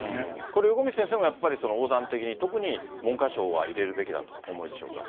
これ、横道先生もやっぱり横断的に文科省は入れるべきだとお思いでしょうか。